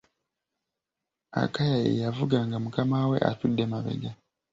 Akaya ye yavuga nga mukama we atudde mabega.